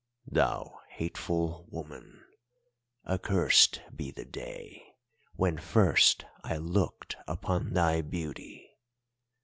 "'Thou hateful woman, accursed be the day when first I looked upon thy beauty.